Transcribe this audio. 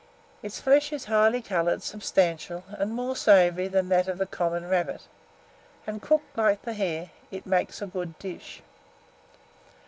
Its flesh is high coloured, substantial, and more savoury than that of the common rabbit; and, cooked like the hare, it makes a good dish.